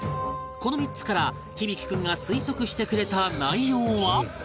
この３つから響大君が推測してくれた内容は？